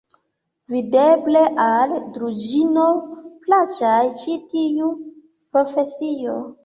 Videble, al Druĵino plaĉas ĉi tiu profesio!